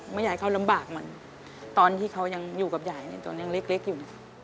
ไม่อยากให้เขารำบากมันตอนที่เขายังอยู่กับยายตอนนี้ยังเล็กอยู่